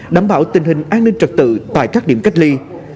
đảm bảo tình hình an ninh trật tự tại các điểm cách ly